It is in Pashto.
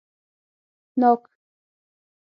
🍐ناک